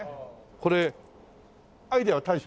これアイデアは大将？